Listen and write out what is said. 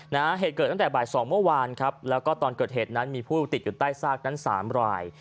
เหตุเกิดตั้งแต่บ่ายสองเมื่อวานครับแล้วก็ตอนเกิดเหตุนั้นมีผู้ติดอยู่ใต้ซากนั้นสามราย